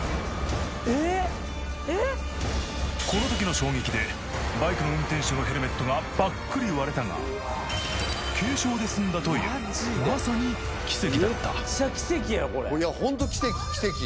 この時の衝撃でバイクの運転手のヘルメットがパックリ割れたが軽傷ですんだというまさに奇跡だめっちゃ奇跡やこれほんと奇跡奇跡